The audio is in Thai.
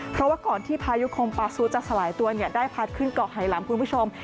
เพราะว่าก่อนที่พายุคมปาซูจะสลายตัวได้พัดขึ้นเกาะไหลำคุณผู้ชม